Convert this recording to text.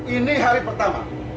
ini hari pertama